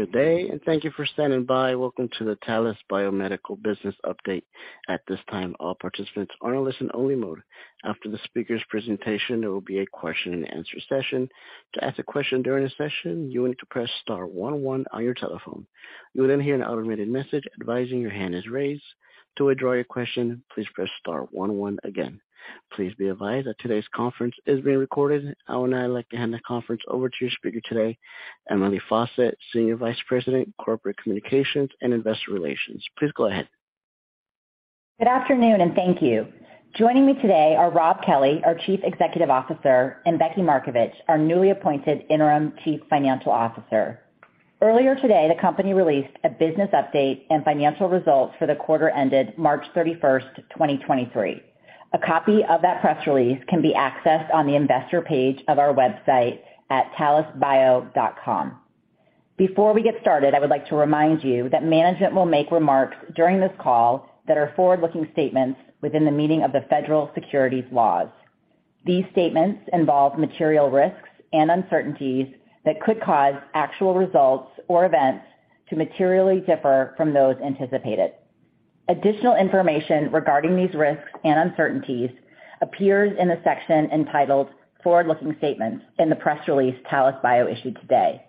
Good day. Thank you for standing by. Welcome to the Talis Biomedical Business Update. At this time, all participants are in listen only mode. After the speaker's presentation, there will be a question and answer session. To ask a question during the session, you will need to press star one one on your telephone. You will hear an automated message advising your hand is raised. To withdraw your question, please press star one one again. Please be advised that today's conference is being recorded. I would now like to hand the conference over to your speaker today, Emily Faucette, Senior Vice President, Corporate Communications and Investor Relations. Please go ahead. Good afternoon and thank you. Joining me today are Rob Kelley, our Chief Executive Officer, and Becky Markovich, our newly appointed Interim Chief Financial Officer. Earlier today, the company released a business update and financial results for the quarter ended March 31, 2023. A copy of that press release can be accessed on the investor page of our website at talisbio.com. Before we get started, I would like to remind you that management will make remarks during this call that are forward-looking statements within the meaning of the Federal Securities laws. These statements involve material risks and uncertainties that could cause actual results or events to materially differ from those anticipated. Additional information regarding these risks and uncertainties appears in the section entitled Forward Looking Statements in the press release Talis Bio issued today.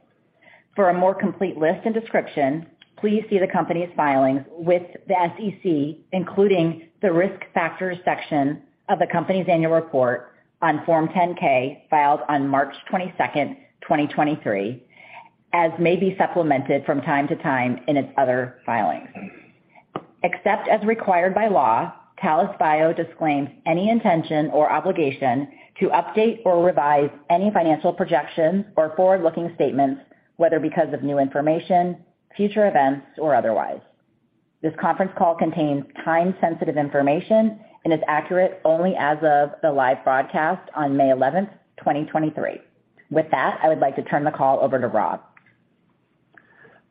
For a more complete list and description, please see the company's filings with the SEC, including the Risk Factors section of the company's annual report on Form 10-K, filed on March 22, 2023, as may be supplemented from time to time in its other filings. Except as required by law, Talis Bio disclaims any intention or obligation to update or revise any financial projections or forward-looking statements, whether because of new information, future events, or otherwise. This conference call contains time-sensitive information and is accurate only as of the live broadcast on May 11, 2023. With that, I would like to turn the call over to Rob.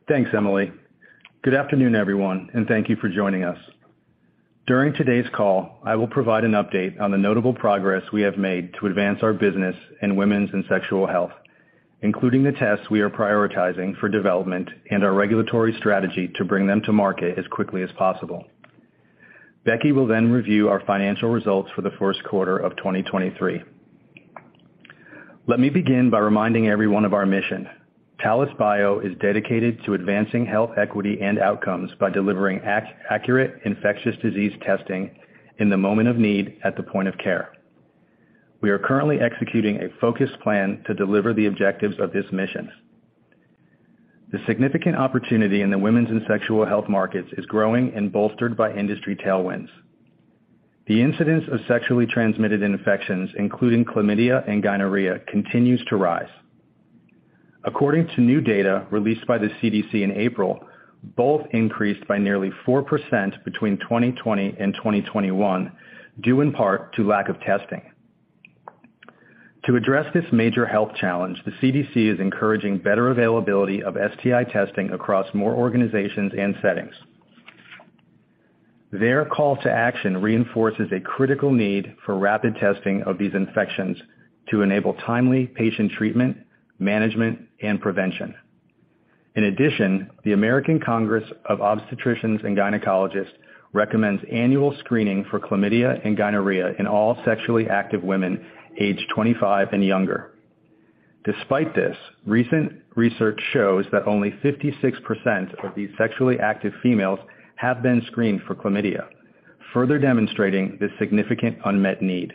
Thanks, Emily. Good afternoon, everyone, thank you for joining us. During today's call, I will provide an update on the notable progress we have made to advance our business in women's and sexual health, including the tests we are prioritizing for development and our regulatory strategy to bring them to market as quickly as possible. Becky will review our financial results for the first quarter of 2023. Let me begin by reminding everyone of our mission. Talis Bio is dedicated to advancing health equity and outcomes by delivering accurate infectious disease testing in the moment of need at the point of care. We are currently executing a focused plan to deliver the objectives of this mission. The significant opportunity in the women's and sexual health markets is growing and bolstered by industry tailwinds. The incidence of sexually transmitted infections, including Chlamydia and gonorrhea, continues to rise. According to new data released by the CDC in April, both increased by nearly 4% between 2020 and 2021, due in part to lack of testing. To address this major health challenge, the CDC is encouraging better availability of STI testing across more organizations and settings. Their call to action reinforces a critical need for rapid testing of these infections to enable timely patient treatment, management, and prevention. The American Congress of Obstetricians and Gynecologists recommends annual screening for Chlamydia and Gonorrhea in all sexually active women aged 25 and younger. Despite this, recent research shows that only 56% of these sexually active females have been screened for Chlamydia, further demonstrating this significant unmet need.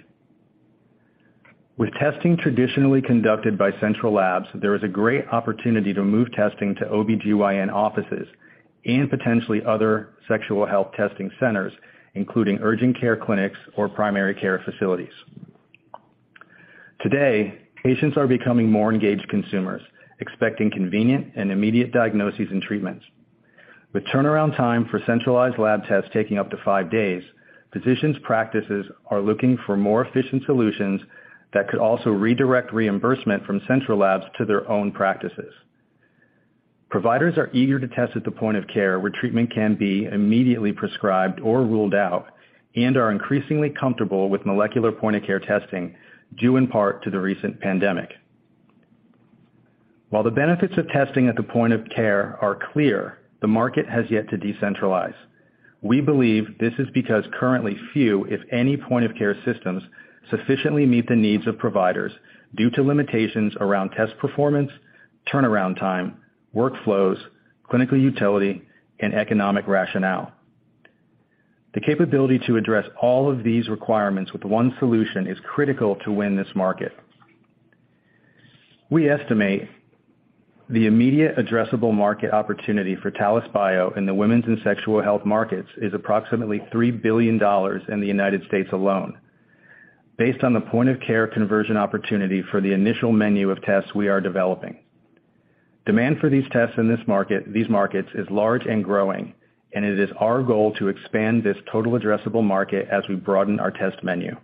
With testing traditionally conducted by central labs, there is a great opportunity to move testing to OBGYN offices and potentially other sexual health testing centers, including urgent care clinics or primary care facilities. Today, patients are becoming more engaged consumers, expecting convenient and immediate diagnoses and treatments. With turnaround time for centralized lab tests taking up to five days, physicians' practices are looking for more efficient solutions that could also redirect reimbursement from central labs to their own practices. Providers are eager to test at the point of care where treatment can be immediately prescribed or ruled out and are increasingly comfortable with molecular point of care testing, due in part to the recent pandemic. While the benefits of testing at the point of care are clear, the market has yet to decentralize. We believe this is because currently few, if any, point of care systems sufficiently meet the needs of providers due to limitations around test performance, turnaround time, workflows, clinical utility, and economic rationale. The capability to address all of these requirements with one solution is critical to win this market. We estimate the immediate addressable market opportunity for Talis Bio in the women's and sexual health markets is approximately $3 billion in the United States alone based on the point-of-care conversion opportunity for the initial menu of tests we are developing. Demand for these tests in these markets is large and growing, and it is our goal to expand this total addressable market as we broaden our test menu.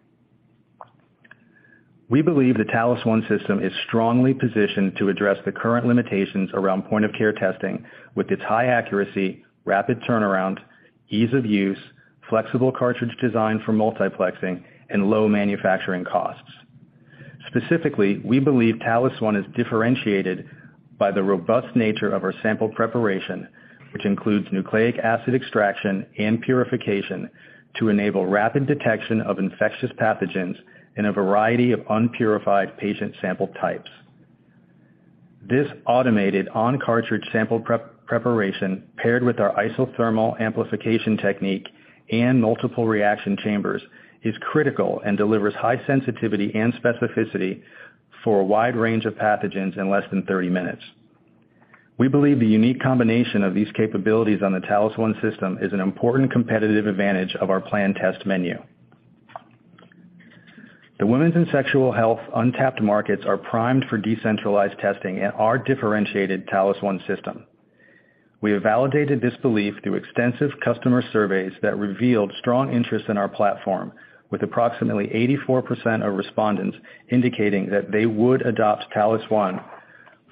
We believe the Talis One system is strongly positioned to address the current limitations around point of care testing with its high accuracy, rapid turnaround, ease of use, flexible cartridge design for multiplexing, and low manufacturing costs. Specifically, we believe Talis One is differentiated by the robust nature of our sample preparation, which includes nucleic acid extraction and purification to enable rapid detection of infectious pathogens in a variety of unpurified patient sample types. This automated on-cartridge sample preparation, paired with our isothermal amplification technique and multiple reaction chambers, is critical and delivers high sensitivity and specificity for a wide range of pathogens in less than 30 minutes. We believe the unique combination of these capabilities on the Talis One system is an important competitive advantage of our planned test menu. The women's and sexual health untapped markets are primed for decentralized testing and our differentiated Talis One system. We have validated this belief through extensive customer surveys that revealed strong interest in our platform, with approximately 84% of respondents indicating that they would adopt Talis One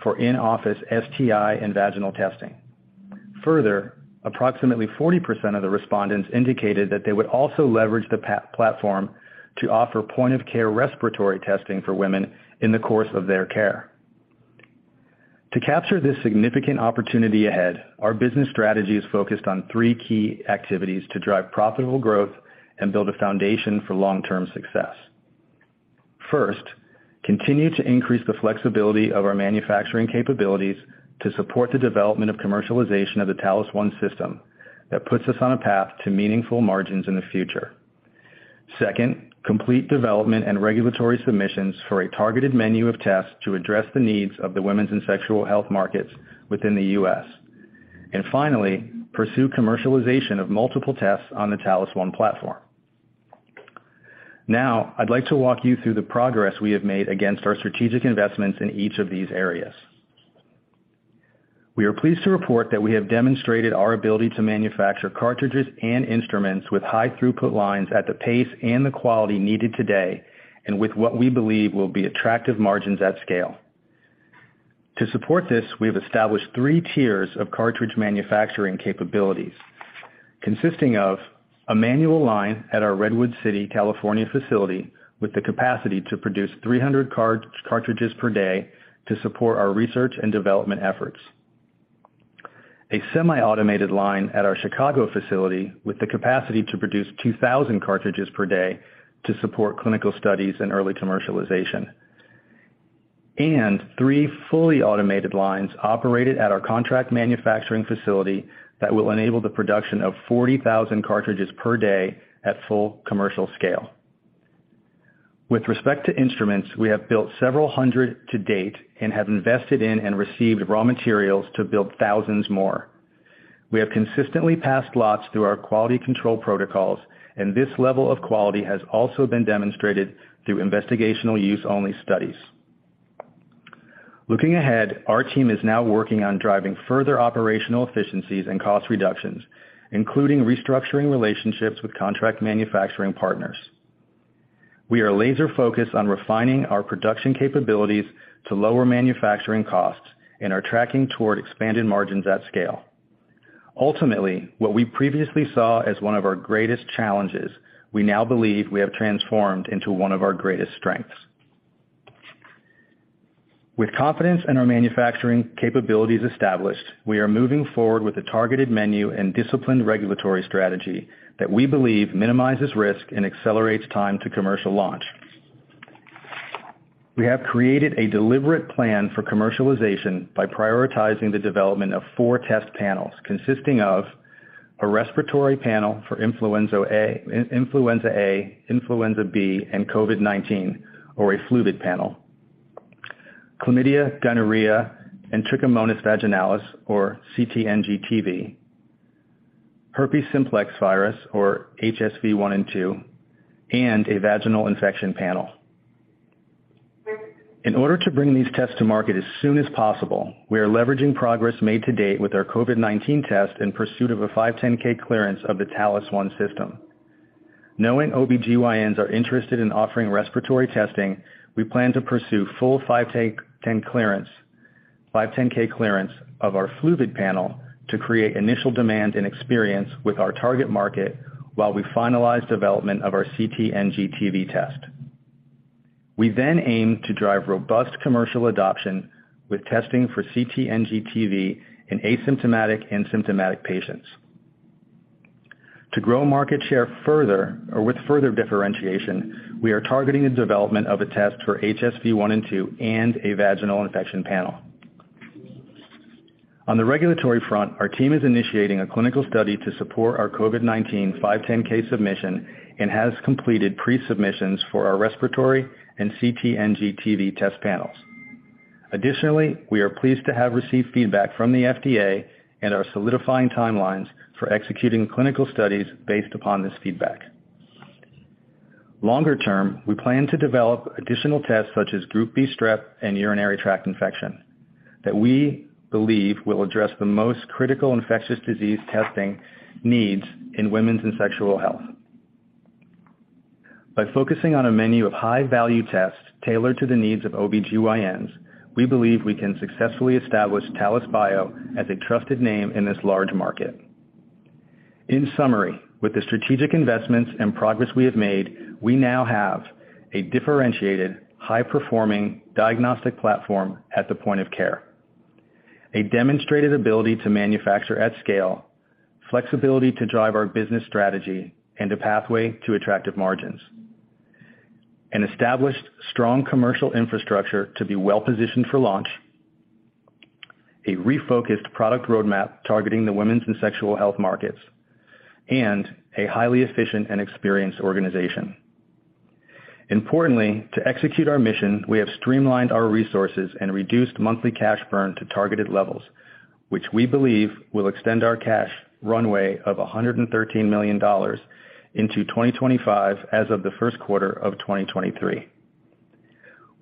for in-office STI and vaginal testing. Further, approximately 40% of the respondents indicated that they would also leverage the platform to offer point of care respiratory testing for women in the course of their care. To capture this significant opportunity ahead, our business strategy is focused on three key activities to drive profitable growth and build a foundation for long-term success. First, continue to increase the flexibility of our manufacturing capabilities to support the development of commercialization of the Talis One system that puts us on a path to meaningful margins in the future. Second, complete development and regulatory submissions for a targeted menu of tests to address the needs of the women's and sexual health markets within the U.S. Finally, pursue commercialization of multiple tests on the Talis One platform. I'd like to walk you through the progress we have made against our strategic investments in each of these areas. We are pleased to report that we have demonstrated our ability to manufacture cartridges and instruments with high throughput lines at the pace and the quality needed today and with what we believe will be attractive margins at scale. To support this, we have established three tiers of cartridge manufacturing capabilities, consisting of a manual line at our Redwood City, California, facility with the capacity to produce 300 cartridges per day to support our research and development efforts. A semi-automated line at our Chicago facility with the capacity to produce 2,000 cartridges per day to support clinical studies and early commercialization. Three fully automated lines operated at our contract manufacturing facility that will enable the production of 40,000 cartridges per day at full commercial scale. With respect to instruments, we have built several hundred to date and have invested in and received raw materials to build thousands more. We have consistently passed lots through our quality control protocols, and this level of quality has also been demonstrated through investigational use-only studies. Looking ahead, our team is now working on driving further operational efficiencies and cost reductions, including restructuring relationships with contract manufacturing partners. We are laser-focused on refining our production capabilities to lower manufacturing costs and are tracking toward expanded margins at scale. Ultimately, what we previously saw as one of our greatest challenges, we now believe we have transformed into one of our greatest strengths. With confidence in our manufacturing capabilities established, we are moving forward with a targeted menu and disciplined regulatory strategy that we believe minimizes risk and accelerates time to commercial launch. We have created a deliberate plan for commercialization by prioritizing the development of four test panels consisting of a respiratory panel for Influenza A, Influenza B, and COVID-19, or a flu panel. Chlamydia, gonorrhea, and Trichomonas vaginalis, or CTNGTV. Herpes simplex virus, or HSV-1 and HSV-2, and a vaginal infection panel. In order to bring these tests to market as soon as possible, we are leveraging progress made to date with our COVID-19 test in pursuit of a 510(k) clearance of the Talis One system. Knowing OBGYNs are interested in offering respiratory testing, we plan to pursue full 510(k) clearance of our flu panel to create initial demand and experience with our target market while we finalize development of our CTNGTV test. We aim to drive robust commercial adoption with testing for CTNGTV in asymptomatic and symptomatic patients. To grow market share further or with further differentiation, we are targeting the development of a test for HSV-1 and HSV-2 and a vaginal infection panel. On the regulatory front, our team is initiating a clinical study to support our COVID-19 510(k) submission and has completed Pre-Submissions for our respiratory and CTNGTV test panels. Additionally, we are pleased to have received feedback from the FDA and are solidifying timelines for executing clinical studies based upon this feedback. Longer term, we plan to develop additional tests such as Group B strep and urinary tract infection that we believe will address the most critical infectious disease testing needs in women's and sexual health. By focusing on a menu of high-value tests tailored to the needs of OBGYNs, we believe we can successfully establish Talis Bio as a trusted name in this large market. In summary, with the strategic investments and progress we have made, we now have a differentiated high-performing diagnostic platform at the point of care, a demonstrated ability to manufacture at scale, flexibility to drive our business strategy, and a pathway to attractive margins. An established strong commercial infrastructure to be well-positioned for launch, a refocused product roadmap targeting the women's and sexual health markets, and a highly efficient and experienced organization. Importantly, to execute our mission, we have streamlined our resources and reduced monthly cash burn to targeted levels, which we believe will extend our cash runway of $113 million into 2025 as of the first quarter of 2023.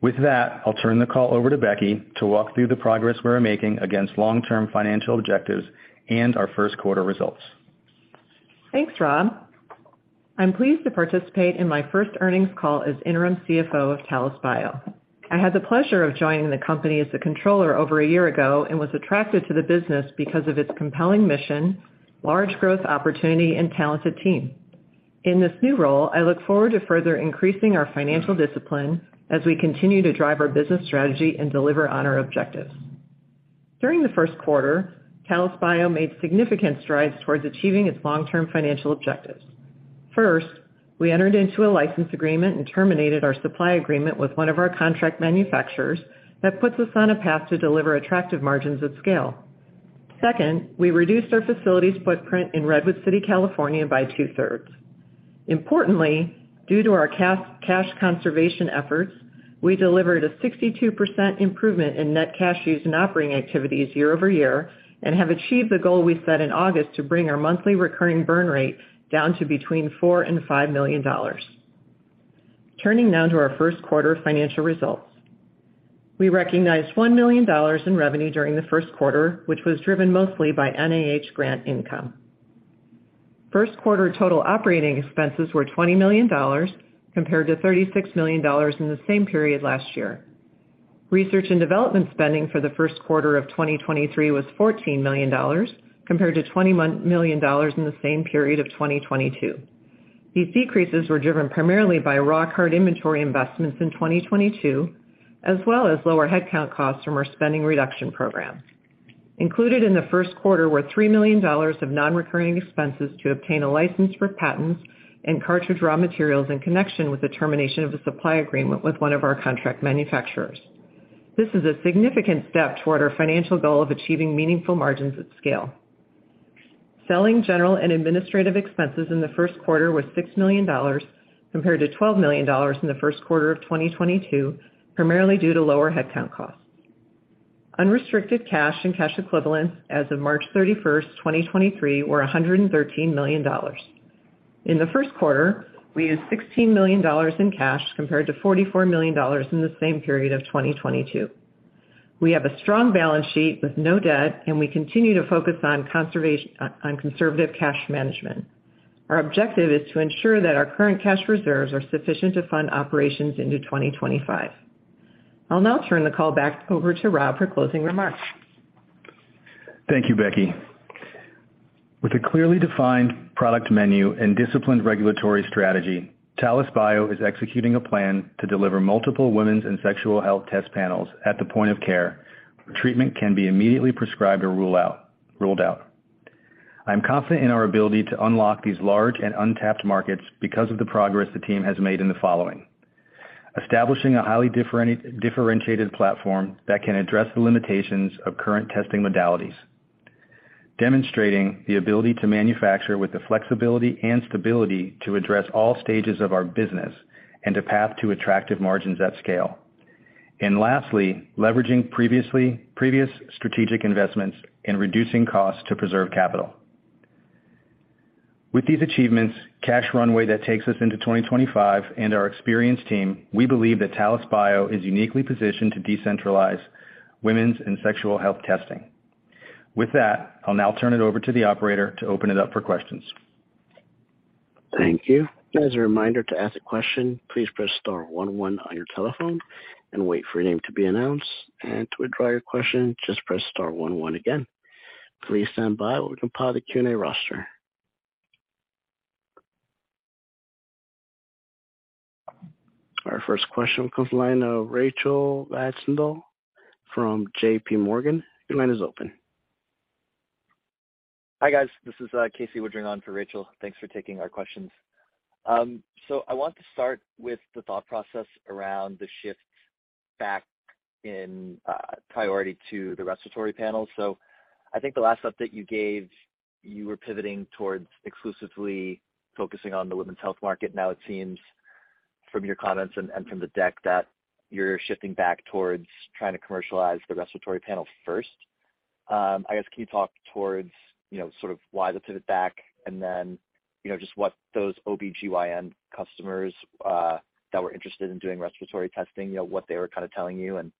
With that, I'll turn the call over to Becky to walk through the progress we are making against long-term financial objectives and our first quarter results. Thanks, Rob. I'm pleased to participate in my first earnings call as interim CFO of Talis Bio. I had the pleasure of joining the company as a controller over a year ago and was attracted to the business because of its compelling mission, large growth opportunity, and talented team. In this new role, I look forward to further increasing our financial discipline as we continue to drive our business strategy and deliver on our objectives. During the first quarter, Talis Bio made significant strides towards achieving its long-term financial objectives. First, we entered into a license agreement and terminated our supply agreement with one of our contract manufacturers that puts us on a path to deliver attractive margins at scale. Second, we reduced our facilities footprint in Redwood City, California, by 2/3. Importantly, due to our cash conservation efforts, we delivered a 62% improvement in net cash used in operating activities year-over-year and have achieved the goal we set in August to bring our monthly recurring burn rate down to between $4 million-$5 million. Turning now to our first quarter financial results. We recognized $1 million in revenue during the first quarter, which was driven mostly by NIH grant income. First quarter total operating expenses were $20 million compared to $36 million in the same period last year. Research and development spending for the first quarter of 2023 was $14 million compared to $20 million in the same period of 2022. These decreases were driven primarily by raw card inventory investments in 2022, as well as lower headcount costs from our spending reduction program. Included in the first quarter were $3 million of non-recurring expenses to obtain a license for patents and cartridge raw materials in connection with the termination of a supply agreement with one of our contract manufacturers. This is a significant step toward our financial goal of achieving meaningful margins at scale. Selling general and administrative expenses in the first quarter was $6 million compared to $12 million in the first quarter of 2022, primarily due to lower headcount costs. Unrestricted cash and cash equivalents as of March 31, 2023, were $113 million. In the first quarter, we used $16 million in cash compared to $44 million in the same period of 2022. We have a strong balance sheet with no debt, and we continue to focus on conservative cash management. Our objective is to ensure that our current cash reserves are sufficient to fund operations into 2025. I'll now turn the call back over to Rob for closing remarks. Thank you, Becky. With a clearly defined product menu and disciplined regulatory strategy, Talis Bio is executing a plan to deliver multiple women's and sexual health test panels at the point of care where treatment can be immediately prescribed or ruled out. I'm confident in our ability to unlock these large and untapped markets because of the progress the team has made in the following. Establishing a highly differentiated platform that can address the limitations of current testing modalities. Demonstrating the ability to manufacture with the flexibility and stability to address all stages of our business and to path to attractive margins at scale. Lastly, leveraging previous strategic investments in reducing costs to preserve capital. With these achievements, cash runway that takes us into 2025 and our experienced team, we believe that Talis Bio is uniquely positioned to decentralize women's and sexual health testing. With that, I'll now turn it over to the operator to open it up for questions. Thank you. Just a reminder to ask a question, please press star one one on your telephone and wait for your name to be announced. To withdraw your question, just press star one one again. Please stand by while we compile the Q&A roster. Our first question comes the line of Rachel Vatnsdal from JP Morgan. Your line is open. Hi, guys. This is Casey Woodring on for Rachel. Thanks for taking our questions. I want to start with the thought process around the shift back in priority to the respiratory panel. I think the last update you gave, you were pivoting towards exclusively focusing on the women's health market. Now it seems from your comments and from the deck that you're shifting back towards trying to commercialize the respiratory panel first. I guess, can you talk towards, you know, sort of why the pivot back? You know, just what those OBGYN customers that were interested in doing respiratory testing, you know, what they were kinda telling you, and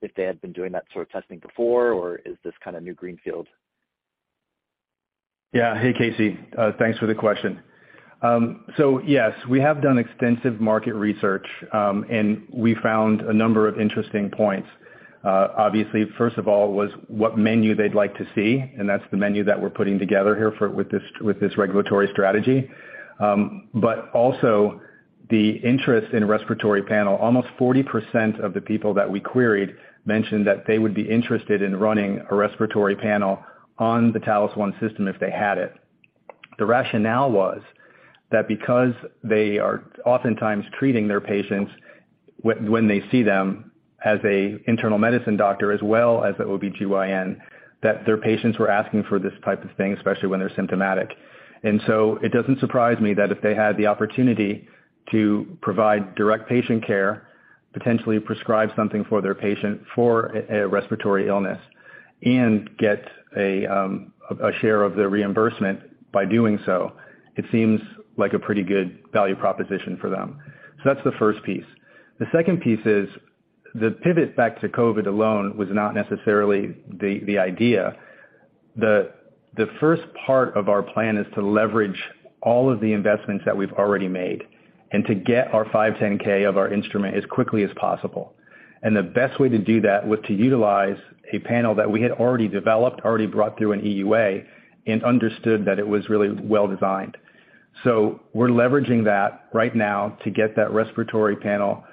if they had been doing that sort of testing before, or is this kinda new greenfield? Yeah. Hey, Casey. Thanks for the question. Yes, we have done extensive market research, and we found a number of interesting points. Obviously, first of all, was what menu they'd like to see, and that's the menu that we're putting together here with this, with this regulatory strategy. Also the interest in respiratory panel. Almost 40% of the people that we queried mentioned that they would be interested in running a respiratory panel on the Talis One system if they had it. The rationale was that because they are oftentimes treating their patients when they see them as a internal medicine doctor, as well as the OBGYN, that their patients were asking for this type of thing, especially when they're symptomatic. It doesn't surprise me that if they had the opportunity to provide direct patient care, potentially prescribe something for their patient for a respiratory illness, and get a share of the reimbursement by doing so, it seems like a pretty good value proposition for them. That's the first piece. The second piece is the pivot back to COVID alone was not necessarily the idea. The first part of our plan is to leverage all of the investments that we've already made and to get our 510(k) of our instrument as quickly as possible. The best way to do that was to utilize a panel that we had already developed, already brought through an EUA, and understood that it was really well-designed. We're leveraging that right now to get that respiratory panel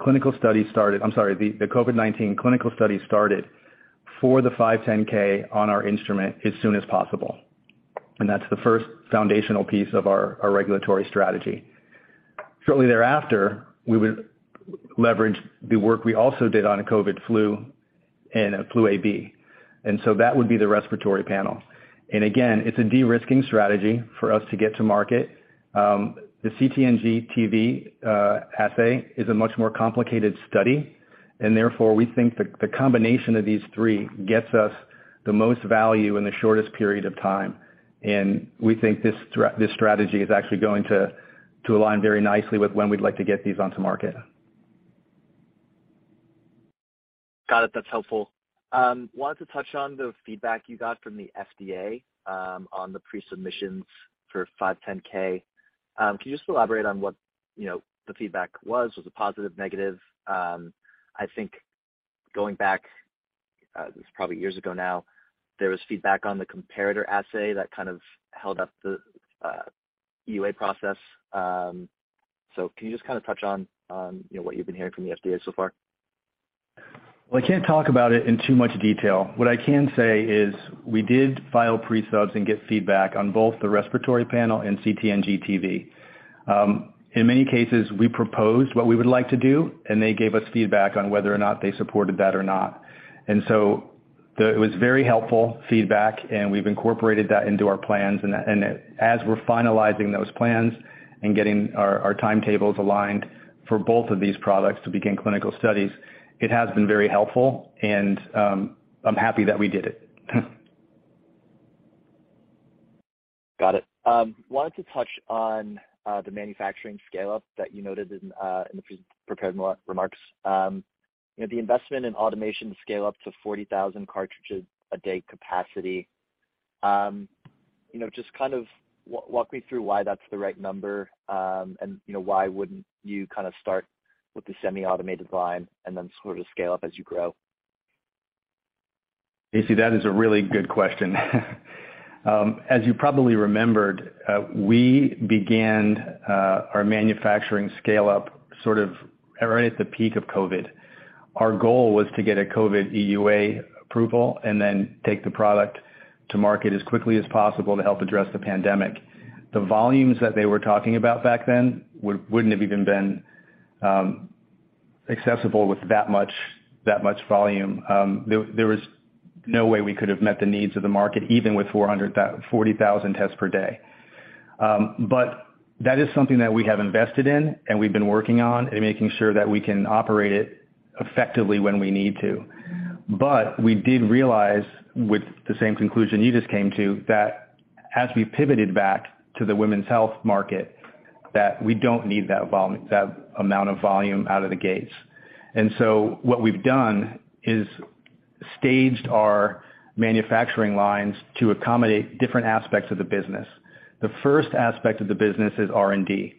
clinical study started... I'm sorry, the COVID-19 clinical study started for the 510(k) on our instrument as soon as possible. That's the first foundational piece of our regulatory strategy. Shortly thereafter, we would leverage the work we also did on a COVID flu and a flu AB. That would be the respiratory panel. Again, it's a de-risking strategy for us to get to market. The CTNGTV assay is a much more complicated study, and therefore, we think the combination of these three gets us the most value in the shortest period of time, and we think this strategy is actually going to align very nicely with when we'd like to get these onto market. Got it. That's helpful. wanted to touch on the feedback you got from the FDA, on the pre-submissions for 510(k). Can you just elaborate on what, you know, the feedback was? Was it positive, negative? I think going back, it's probably years ago now, there was feedback on the comparator assay that kind of held up the EUA process. Can you just kinda touch on, you know, what you've been hearing from the FDA so far? Well, I can't talk about it in too much detail. What I can say is we did file pre-subs and get feedback on both the respiratory panel and CTNGTV. In many cases, we proposed what we would like to do, and they gave us feedback on whether or not they supported that or not. It was very helpful feedback, and we've incorporated that into our plans. As we're finalizing those plans and getting our timetables aligned for both of these products to begin clinical studies, it has been very helpful and, I'm happy that we did it. Got it. wanted to touch on the manufacturing scale-up that you noted in the pre-prepared remarks. you know, the investment in automation scale-up to 40,000 cartridges a day capacity. you know, just kind of walk me through why that's the right number, and, you know, why wouldn't you kinda start with the semi-automated line and then sort of scale up as you grow? A.C., that is a really good question. As you probably remembered, we began our manufacturing scale-up sort of right at the peak of COVID. Our goal was to get a COVID EUA approval and then take the product to market as quickly as possible to help address the pandemic. The volumes that they were talking about back then wouldn't have even been accessible with that much volume. There was no way we could have met the needs of the market, even with 40,000 tests per day. That is something that we have invested in and we've been working on and making sure that we can operate it effectively when we need to. We did realize, with the same conclusion you just came to, that as we pivoted back to the women's health market, that we don't need that amount of volume out of the gates. What we've done is staged our manufacturing lines to accommodate different aspects of the business. The first aspect of the business is R&D.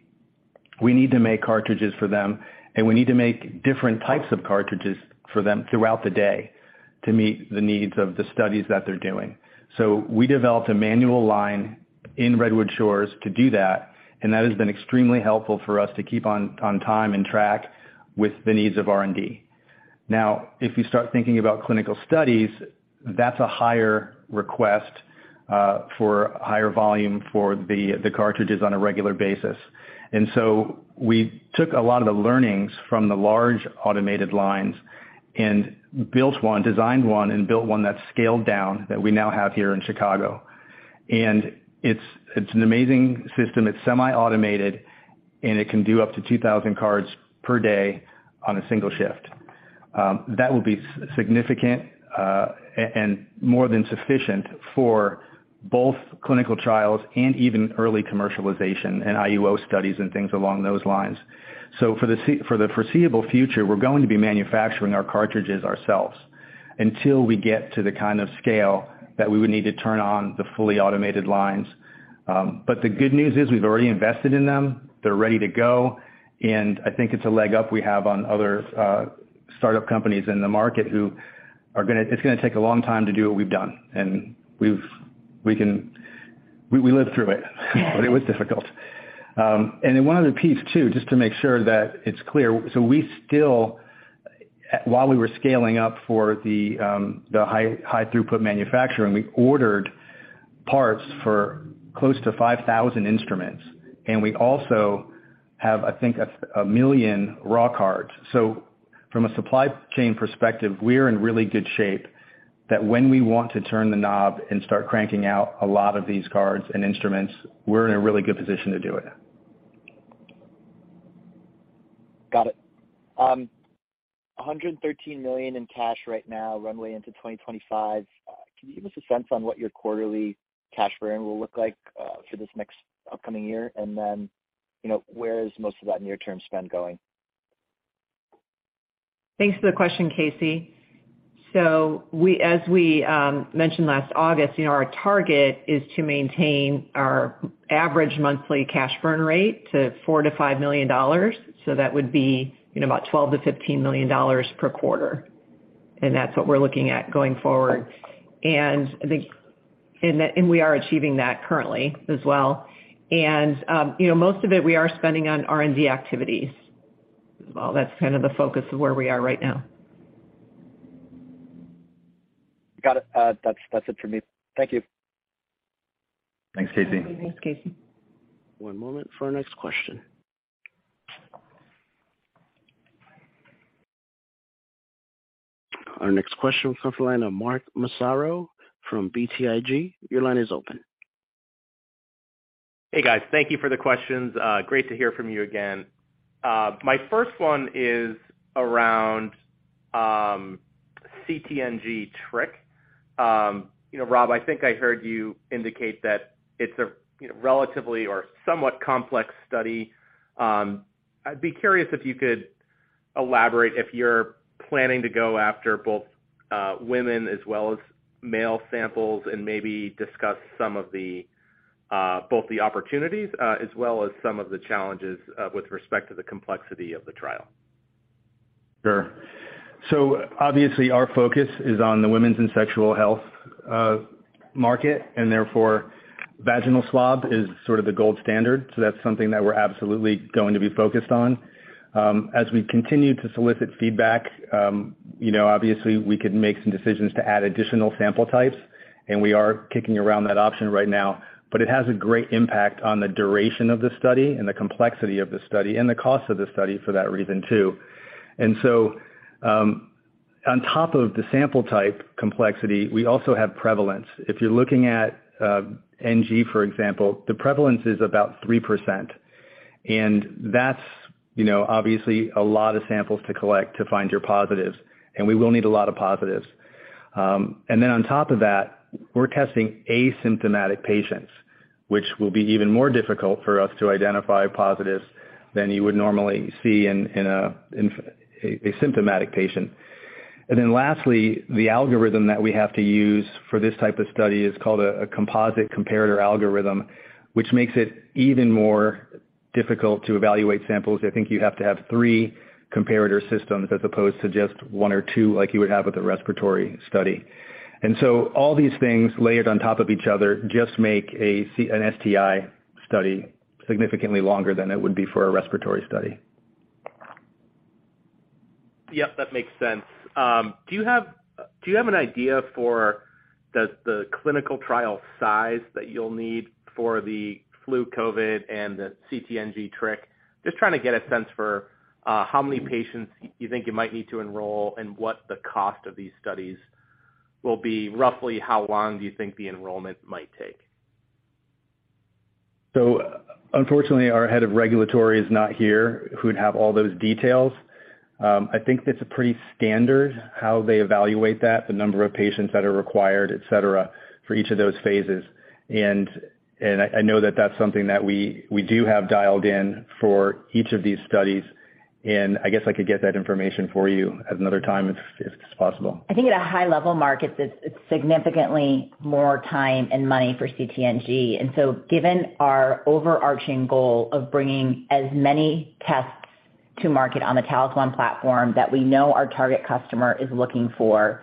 We need to make cartridges for them, and we need to make different types of cartridges for them throughout the day to meet the needs of the studies that they're doing. We developed a manual line in Redwood Shores to do that, and that has been extremely helpful for us to keep on time and track with the needs of R&D. Now, if you start thinking about clinical studies, that's a higher request for higher volume for the cartridges on a regular basis. We took a lot of the learnings from the large automated lines and built one, designed one, and built one that's scaled down that we now have here in Chicago. It's an amazing system. It's semi-automated, and it can do up to 2,000 cards per day on a single shift. That will be significant and more than sufficient for both clinical trials and even early commercialization and IUO studies and things along those lines. For the foreseeable future, we're going to be manufacturing our cartridges ourselves until we get to the kind of scale that we would need to turn on the fully automated lines. The good news is we've already invested in them. They're ready to go, and I think it's a leg up we have on other startup companies in the market who are gonna... It's gonna take a long time to do what we've done. We lived through it. It was difficult. One other piece too, just to make sure that it's clear. We still, while we were scaling up for the high, high throughput manufacturing, we ordered parts for close to 5,000 instruments. We also have, I think, 1 million raw cards. From a supply chain perspective, we're in really good shape that when we want to turn the knob and start cranking out a lot of these cards and instruments, we're in a really good position to do it. Got it. $113 million in cash right now, runway into 2025. Can you give us a sense on what your quarterly cash burn will look like for this next upcoming year? You know, where is most of that near term spend going? Thanks for the question, Casey. as we mentioned last August, you know, our target is to maintain our average monthly cash burn rate to $4 million-$5 million, so that would be, you know, about $12 million-$15 million per quarter. That's what we're looking at going forward. we are achieving that currently as well. you know, most of it we are spending on R&D activities as well. That's kind of the focus of where we are right now. Got it. That's it for me. Thank you. Thanks, Casey. Thanks, Casey. One moment for our next question. Our next question comes from the line of Mark Massaro from BTIG. Your line is open. Hey, guys. Thank you for the questions. Great to hear from you again. My first one is around CT/NG/Trich. You know, Rob, I think I heard you indicate that it's a, you know, relatively or somewhat complex study. I'd be curious if you could elaborate if you're planning to go after both women as well as male samples and maybe discuss some of the both the opportunities as well as some of the challenges with respect to the complexity of the trial? Sure. Obviously our focus is on the women's and sexual health market and therefore vaginal swab is sort of the gold standard, so that's something that we're absolutely going to be focused on. As we continue to solicit feedback, you know, obviously we could make some decisions to add additional sample types, and we are kicking around that option right now. It has a great impact on the duration of the study and the complexity of the study and the cost of the study for that reason too. On top of the sample type complexity, we also have prevalence. If you're looking at NG for example, the prevalence is about 3%. That's, you know, obviously a lot of samples to collect to find your positives and we will need a lot of positives. On top of that, we're testing asymptomatic patients, which will be even more difficult for us to identify positives than you would normally see in a symptomatic patient. Lastly, the algorithm that we have to use for this type of study is called a composite comparator algorithm, which makes it even more difficult to evaluate samples. I think you have to have three comparator systems as opposed to just one or two like you would have with a respiratory study. All these things layered on top of each other just make an STI study significantly longer than it would be for a respiratory study. Yep, that makes sense. Do you have an idea for the clinical trial size that you'll need for the flu COVID and the CT/NG/Trich? Just trying to get a sense for how many patients you think you might need to enroll and what the cost of these studies will be. Roughly how long do you think the enrollment might take? Unfortunately, our head of regulatory is not here who'd have all those details. I think it's pretty standard how they evaluate that, the number of patients that are required, et cetera, for each of those phases. I know that's something that we do have dialed in for each of these studies. I guess I could get that information for you at another time if it's possible. I think at a high level Mark, it's significantly more time and money for CT/NG. Given our overarching goal of bringing as many tests to market on the Talis One platform that we know our target customer is looking for,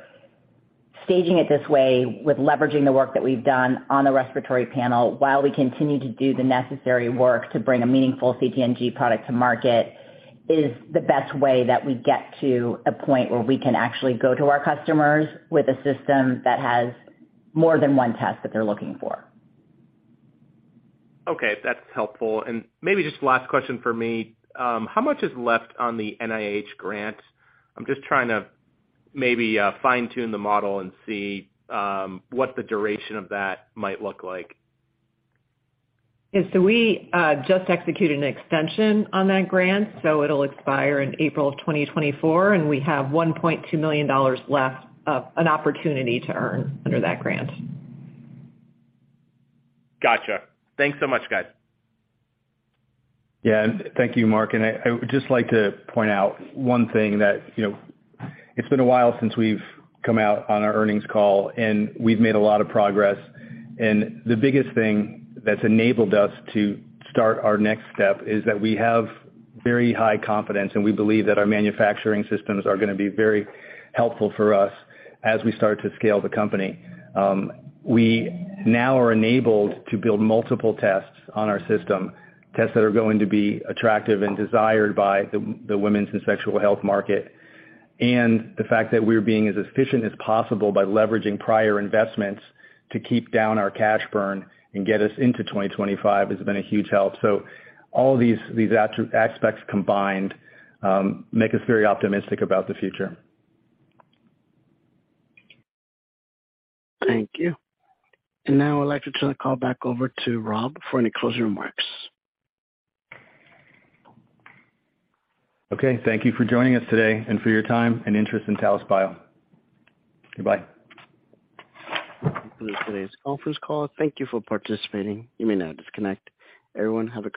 staging it this way with leveraging the work that we've done on the respiratory panel while we continue to do the necessary work to bring a meaningful CT/NG product to market, is the best way that we get to a point where we can actually go to our customers with a system that has more than one test that they're looking for. Okay, that's helpful. Maybe just last question for me, how much is left on the NIH grant? I'm just trying to maybe fine-tune the model and see what the duration of that might look like. Yeah. We just executed an extension on that grant, so it'll expire in April of 2024, and we have $1.2 million left of an opportunity to earn under that grant. Gotcha. Thanks so much, guys. Yeah. Thank you, Mark. I would just like to point out one thing that, you know, it's been a while since we've come out on our earnings call, and we've made a lot of progress. The biggest thing that's enabled us to start our next step is that we have very high confidence, and we believe that our manufacturing systems are gonna be very helpful for us as we start to scale the company. We now are enabled to build multiple tests on our system, tests that are going to be attractive and desired by the women's and sexual health market. The fact that we're being as efficient as possible by leveraging prior investments to keep down our cash burn and get us into 2025 has been a huge help. All these aspects combined, make us very optimistic about the future. Thank you. Now I'd like to turn the call back over to Rob for any closing remarks. Okay. Thank you for joining us today and for your time and interest in Talis Bio. Goodbye. That concludes today's conference call. Thank you for participating. You may now disconnect. Everyone, have a great rest of.